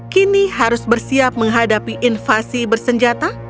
kini harus bersiap menghadapi invasi bersenjata